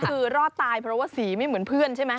คือรอดตายเพราะว่าสีไม่เหมือนเพื่อนใช่ไหม